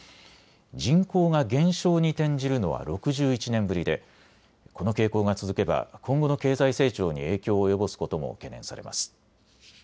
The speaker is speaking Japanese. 人口が減少に転じるのは６１年ぶりでこの傾向が続けば今後の経済成長に影響を及ぼすことも懸念されます。